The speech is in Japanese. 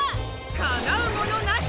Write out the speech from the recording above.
かなうものなし！